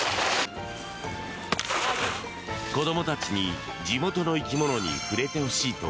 子どもたちに地元の生き物に触れてほしいと